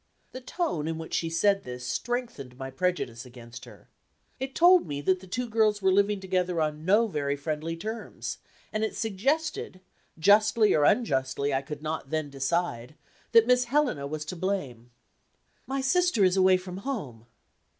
The tone in which she said this strengthened my prejudice against her. It told me that the two girls were living together on no very friendly terms; and it suggested justly or unjustly I could not then decide that Miss Helena was to blame. "My sister is away from home."